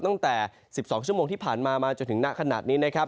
ตั้งแต่๑๒ชั่วโมงที่ผ่านมามาจนถึงหน้าขนาดนี้นะครับ